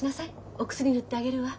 お薬塗ってあげるわ」。